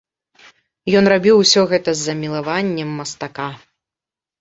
Ён рабіў усё гэта з замілаваннем мастака.